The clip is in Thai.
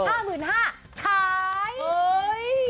ขาย